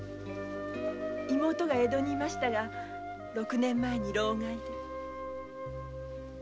妹が江戸にいましたが６年前病で。